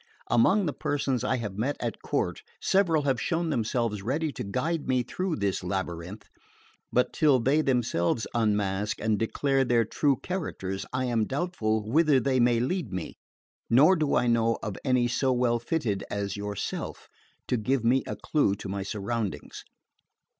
Among the persons I have met at court several have shown themselves ready to guide me through this labyrinth; but, till they themselves unmask and declare their true characters, I am doubtful whither they may lead me; nor do I know of any so well fitted as yourself to give me a clue to my surroundings.